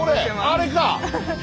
あれか？